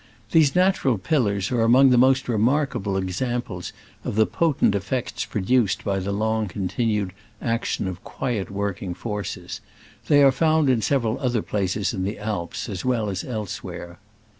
These natural pillars are among the most remarkable examples of the potent effects pro duced by the long continued ac tion of quiet working forces. They are found in several other places in the Alps, as well as elsewhere.